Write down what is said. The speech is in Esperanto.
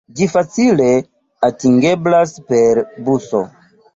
Ĝi facile atingeblas per buso.